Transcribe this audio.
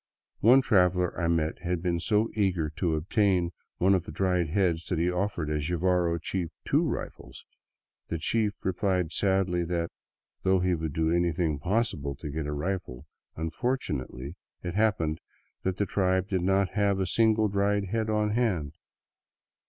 One traveler I met had been so eager to obtain one of the dried heads that he offered a Jivaro chief two rifles. The chief replied sadly that, though he would do anything possible to get a rifle, unfortunately it happened that the tribe did not have a single dried head on hand.